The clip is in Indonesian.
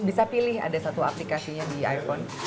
bisa pilih ada satu aplikasinya di iphone